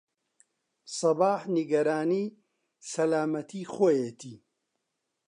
سەباح نیگەرانی سەلامەتیی خۆیەتی.